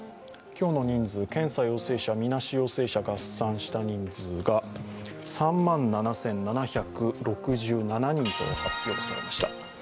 今日の人数、検査陽性者、みなし陽性者合算した人数が３万７７６７人と発表されました。